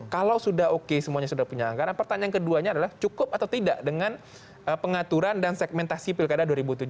kalau sudah oke semuanya sudah punya anggaran pertanyaan keduanya adalah cukup atau tidak dengan pengaturan dan segmentasi pilkada dua ribu tujuh belas